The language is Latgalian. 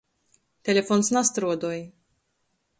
Telefons nastruodoj.